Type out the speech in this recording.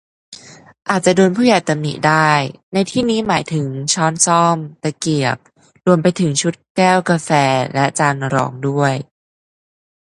อาจจะโดนผู้ใหญ่ตำหนิได้ ในที่นี้หมายถึงช้อนส้อม ตะเกียบ รวมไปถึงชุดแก้วกาแฟและจานรองด้วย